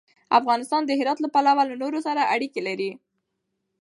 افغانستان د هرات له پلوه له نورو سره اړیکې لري.